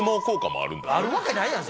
あるわけないやん